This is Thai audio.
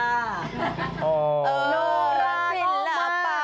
โนระจิ๋นละป่าไทยโนระ